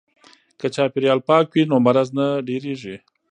که چاپیریال پاک وي نو مرض نه ډیریږي.